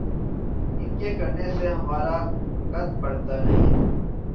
ان کے کرنے سے ہمارا قد بڑھتا نہیں۔